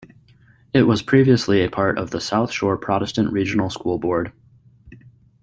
It was previously a part of the South Shore Protestant Regional School Board.